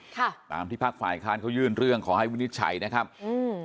ค่ะตามที่ภาคฝ่ายค้านเขายื่นเรื่องขอให้วินิจฉัยนะครับอืม